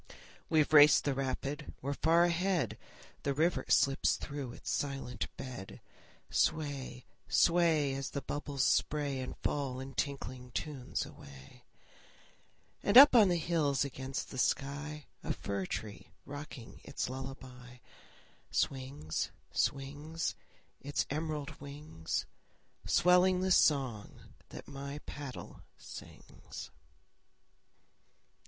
We've raced the rapid, we're far ahead! The river slips through its silent bed. Sway, sway, As the bubbles spray And fall in tinkling tunes away. And up on the hills against the sky, A fir tree rocking its lullaby, Swings, swings, Its emerald wings, Swelling the song that my paddle sings.